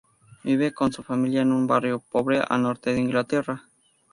Vive con su familia en un barrio pobre al norte de Inglaterra.